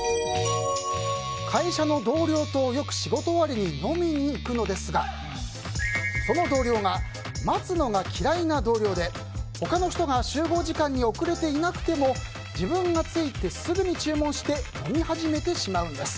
会社の同僚とよく仕事終わりに飲みに行くのですが、その同僚が待つのが嫌いな同僚で他の人が集合時間に遅れていなくても自分が着いてすぐに注文して飲み始めてしまうんです。